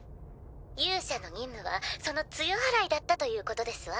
勇者の任務はその露払いだったということですわ。